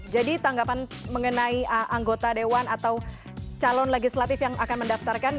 jadi tanggapan mengenai anggota dewan atau calon legislatif yang akan mendaftarkan